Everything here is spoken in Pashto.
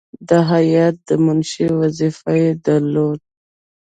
د هیات د منشي وظیفه یې درلوده.